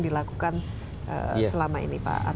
dilakukan selama ini pak